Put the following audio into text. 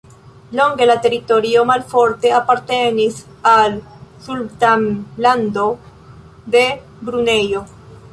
Longe la teritorio malforte apartenis al Sultanlando de Brunejo.